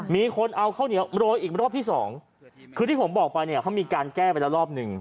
มีคนเอาข้าวเหนียวโรยอีกรอบที่สองคือที่ผมบอกไปเนี่ยเขามีการแก้ไปแล้วรอบหนึ่ง